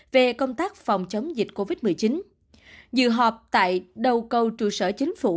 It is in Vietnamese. về công tác phòng chống dịch covid một mươi chín dự họp tại đầu cầu trụ sở chính phủ